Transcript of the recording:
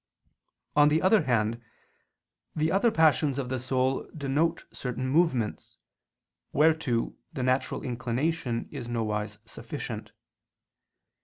On the other hand the other passions of the soul denote certain movements, whereto the natural inclination is nowise sufficient.